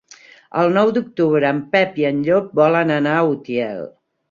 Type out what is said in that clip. El nou d'octubre en Pep i en Llop volen anar a Utiel.